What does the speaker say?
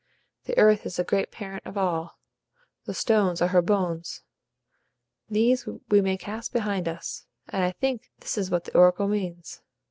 The earth is the great parent of all; the stones are her bones; these we may cast behind us; and I think this is what the oracle means.